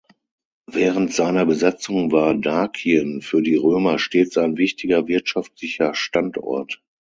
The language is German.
Während seiner Besatzung war Dakien für die Römer stets ein wichtiger wirtschaftlicher Standort.